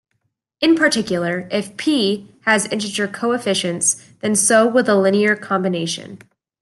In particular if "P" has integer coefficients, then so will the linear combination.